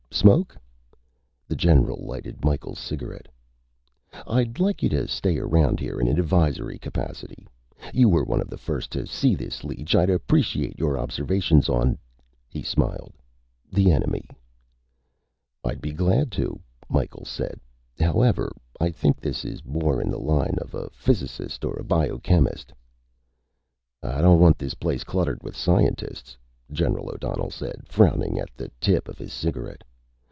Smoke?" The general lighted Micheals' cigarette. "I'd like you to stay around here in an advisory capacity. You were one of the first to see this leech. I'd appreciate your observations on " he smiled "the enemy." "I'd be glad to," Micheals said. "However, I think this is more in the line of a physicist or a biochemist." "I don't want this place cluttered with scientists," General O'Donnell said, frowning at the tip of his cigarette.